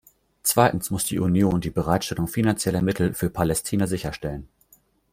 Zweitens muss die Union die Bereitstellung finanzieller Mittel für Palästina sicherstellen.